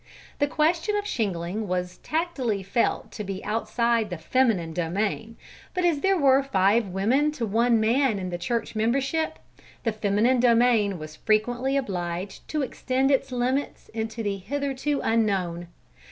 The question of shingling was tacitly felt to be outside the feminine domain, but as there were five women to one man in the church membership, the feminine domain was frequently obliged to extend its limits into the hitherto unknown.